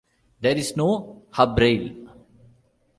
There is no hubrail.